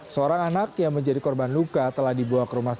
seorang anak yang menjadi korban luka telah dibawa ke rumah sakit